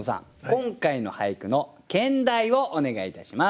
今回の俳句の兼題をお願いいたします。